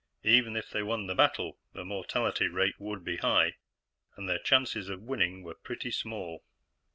Even if they won the battle, the mortality rate would be high, and their chances of winning were pretty small.